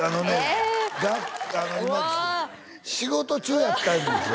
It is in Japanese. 仕事中やったんですよ